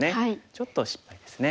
ちょっと失敗ですね。